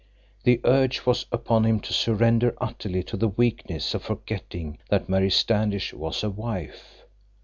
The urge was upon him to surrender utterly to the weakness of forgetting that Mary Standish was a wife.